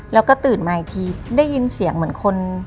แล้วก็ตื่นมาอีกทีได้ยินเสียงเหมือนคน